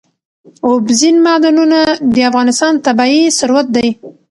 اوبزین معدنونه د افغانستان طبعي ثروت دی.